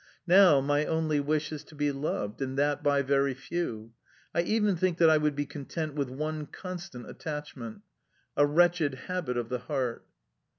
Now my only wish is to be loved, and that by very few. I even think that I would be content with one constant attachment. A wretched habit of the heart!...